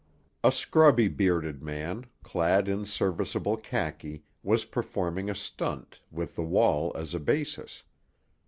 A scrubby bearded man, clad in serviceable khaki, was performing a stunt, with the wall as a basis.